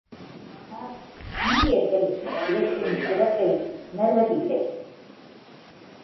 ஆனால் இந்தியர்கள் இவற்றின் சிறப்பை உணர்வதில்லை.